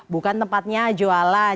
bukan tempatnya jualan